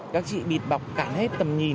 các chị bịt bọc cản hết tầm nhìn